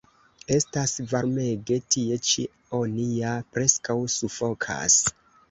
Estas varmege tie ĉi; oni ja preskaŭ sufokas.